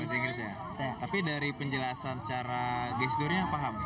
bahasa inggris ya tapi dari penjelasan secara gesturnya paham